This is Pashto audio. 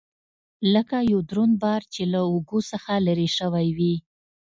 لکه يو دروند بار مې چې له اوږو څخه لرې سوى وي.